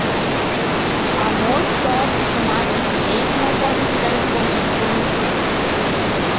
Amor, tosse, fumaça e dinheiro não podem ficar escondidos por muito tempo.